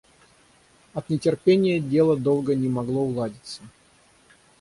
От нетерпения дело долго не могло уладиться.